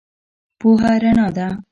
پوهه رڼا ده